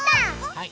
はい。